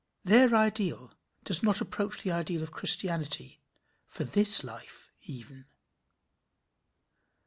Their ideal does not approach the ideal of Christianity for this life even.